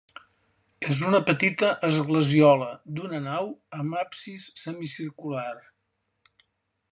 És una petita esglesiola d'una nau amb absis semicircular.